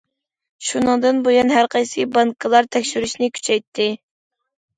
شۇنىڭدىن بۇيان ھەر قايسى بانكىلار تەكشۈرۈشنى كۈچەيتتى.